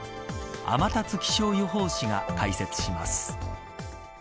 天達気象予報士が解説します。